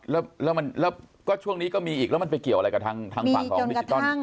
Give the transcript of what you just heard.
แล้วก็ช่วงนี้ก็มีอีกแล้วมันไปเกี่ยวอะไรกับทางฝั่งของดิจิตอล